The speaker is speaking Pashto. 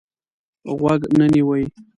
غوږ نه نیوی.